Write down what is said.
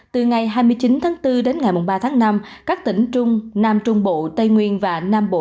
từ ngày hai mươi chín tháng bốn đến ngày ba tháng năm các tỉnh trung nam trung bộ tây nguyên và nam bộ